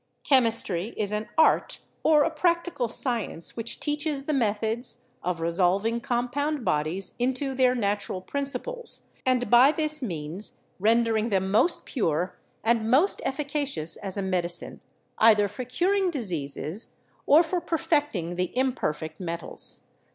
"Chemistry is an art or a practical science which teaches the methods of resolving com pound bodies into their natural principles, and by this means rendering them most pure and most efficacious as a medicine, either for curing diseases or for per fecting the imperfect metals."